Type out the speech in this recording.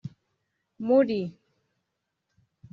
muri